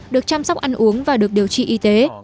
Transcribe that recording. được chăm sóc ăn uống và được điều trị y tế